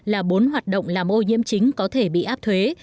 là bốn hoạt động làm ô nhiễm chính có thể bị áp thuế